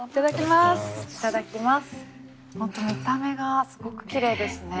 本当見た目がすごくきれいですね。